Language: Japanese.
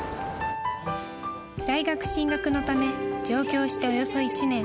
［大学進学のため上京しておよそ１年］